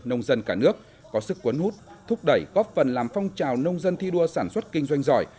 nông dân cả nước có sức quấn hút thúc đẩy góp phần làm phong trào nông dân thi đua sản xuất kinh doanh giỏi